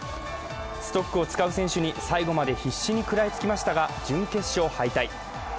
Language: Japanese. ストックを使う選手に最後まで必死に食らいつきましたが準決勝敗退。